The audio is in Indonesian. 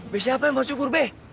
be siapa yang mau syukur be